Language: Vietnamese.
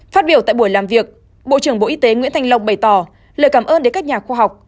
phát biểu tại buổi làm việc bộ trưởng bộ y tế nguyễn thanh long bày tỏ lời cảm ơn đến các nhà khoa học